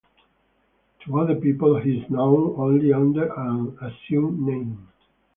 To other people he is known only under an assumed name.